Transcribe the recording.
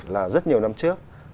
là rất nhiều năm trước